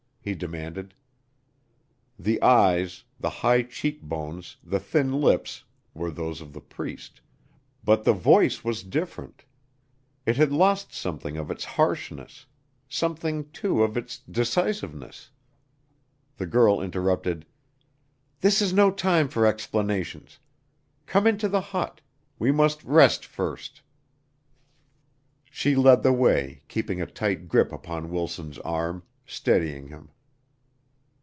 he demanded. The eyes, the high cheek bones, the thin lips, were those of the Priest, but the voice was different. It had lost something of its harshness something, too, of its decisiveness. The girl interrupted, "This is no time for explanations. Come into the hut. We must rest first." She led the way, keeping a tight grip upon Wilson's arm, steadying him.